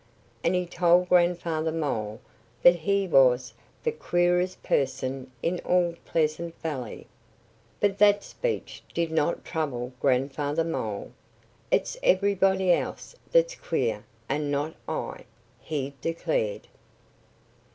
And he told Grandfather Mole that he was the queerest person in all Pleasant Valley. But that speech did not trouble Grandfather Mole. "It's everybody else that's queer and not I!" he declared.